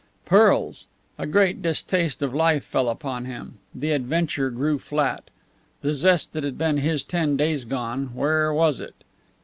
Pearls! A great distaste of life fell upon him; the adventure grew flat. The zest that had been his ten days gone, where was it?